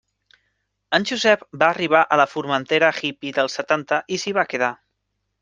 En Josep va arribar a la Formentera hippy dels setanta i s'hi va quedar.